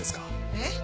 えっ？